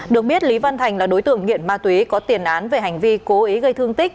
được biết lý văn thành là đối tượng nghiện ma túy có tiền án về hành vi cố ý gây thương tích